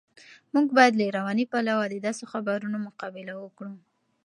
موږ باید له رواني پلوه د داسې خبرونو مقابله وکړو.